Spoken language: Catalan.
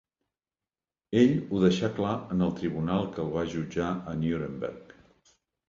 Ell ho deixà clar en el tribunal que el va jutjar a Nuremberg.